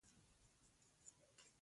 رهبرانو یې خپل وطن له جګړې لرې ساتلی.